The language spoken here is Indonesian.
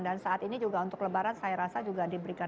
dan saat ini juga untuk lebaran saya rasa juga diberikan